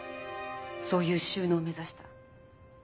そういう収納を目指した。